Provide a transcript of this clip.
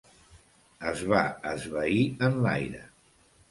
Es va esvair en l'aire.